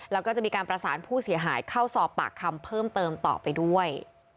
แล้วก็จะมีการประสานผู้เสียหายเข้าสอบปากคำเพิ่มเติมต่อไปด้วย